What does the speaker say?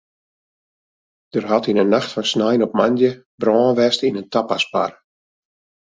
Der hat yn de nacht fan snein op moandei brân west yn in tapasbar.